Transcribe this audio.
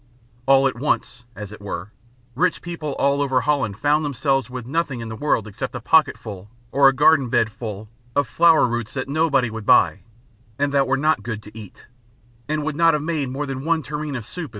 All at once, as it were, rich people all over Holland found themselves with nothing in the world except a pocket full or a garden bed full of flower roots that nobody would buy and that were not good to eat, and would not have made more than one tureen of soup if they were.